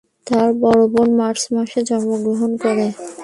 তার বড় বোন মার্চ মাসে জন্মগ্রহণ করে।